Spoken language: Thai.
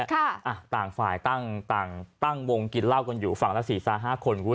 ค่ะอ่ะต่างฝ่ายตั้งตั้งตั้งวงกินเหล้ากันอยู่ฝั่งละสี่สามห้าคน